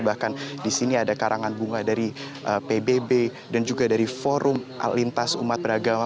bahkan di sini ada karangan bunga dari pbb dan juga dari forum lintas umat beragama